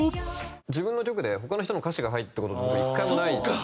自分の曲で他の人の歌詞が入った事僕１回もないんですよ。